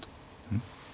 うん？